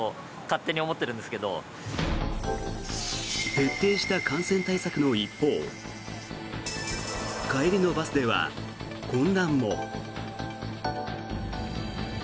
徹底した感染対策の一方帰りのバスでは混乱も。